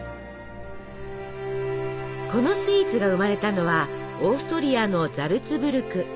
このスイーツが生まれたのはオーストリアのザルツブルク。